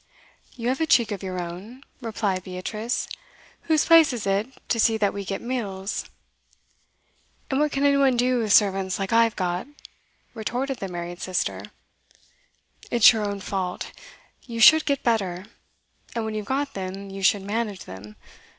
'You have a cheek of your own,' replied Beatrice. 'Whose place is it to see that we get meals?' 'And what can any one do with servants like I've got?' retorted the married sister. 'It's your own fault. You should get better; and when you've got them, you should manage them.